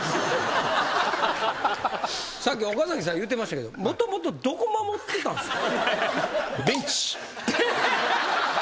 さっき岡崎さん言ってましたけどもともとどこ守ってたんですか？